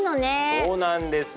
そうなんです。